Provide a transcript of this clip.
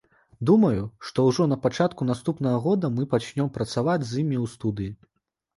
Думаю, што ўжо на пачатку наступнага года мы пачнём працаваць з імі ў студыі.